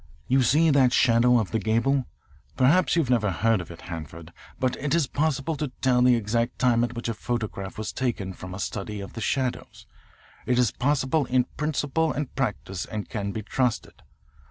"You see that shadow of the gable? Perhaps you never heard of it, Hanford, but it is possible to tell the exact time at which a photograph was taken from a study of the shadows. It is possible in principle and practice and can be trusted.